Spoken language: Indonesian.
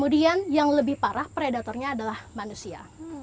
dan yang lebih parah predatornya adalah manusia